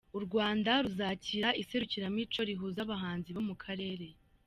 U Rwanda ruzakira iserukiramuco rihuza abahanzi bo mu karere